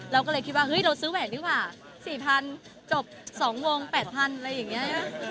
เราก็เลยคิดว่าเฮ้ยเราซื้อแหวนดีกว่า๔๐๐จบ๒วง๘๐๐อะไรอย่างนี้